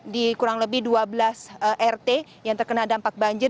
di kurang lebih dua belas rt yang terkena dampak banjir